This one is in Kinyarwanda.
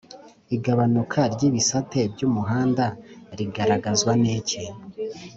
igabanuka ry’ibisate by’umuhanda rigaragazwa niki